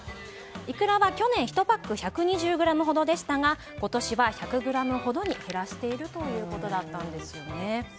イクラは去年１パック１２０ｇほどでしたが今年は１００ｇほどに減らしているということだったんです。